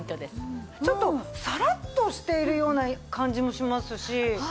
ちょっとサラッとしているような感じもしますし。